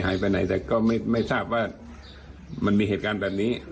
หายไปไหนแต่ก็ไม่ทราบว่ามันมีเหตุการณ์แบบนี้